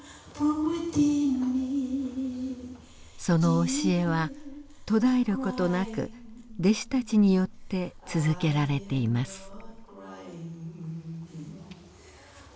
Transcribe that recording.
その教えは途絶える事なく弟子たちによって続けられています。